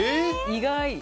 意外！